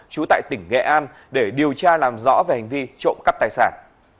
trú tại tỉnh nghệ an để điều tra làm rõ về hành vi trộm cắp tài sản